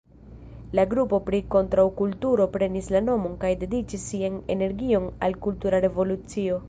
La grupo pri kontraŭkulturo prenis la nomon kaj dediĉis sian energion al "kultura revolucio".